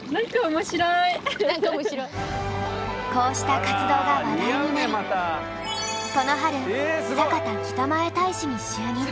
こうした活動が話題になりこの春酒田北前大使に就任。